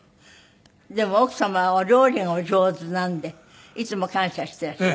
でも奥様はお料理がお上手なんでいつも感謝していらっしゃる。